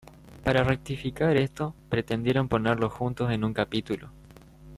Para rectificar esto, pretendieron ponerlos juntos en un capítulo.